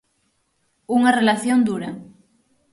Unha relación dura.